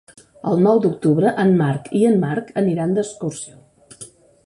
El nou d'octubre en Marc i en Marc aniran d'excursió.